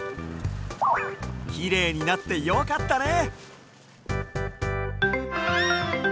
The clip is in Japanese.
きれいになってよかったね。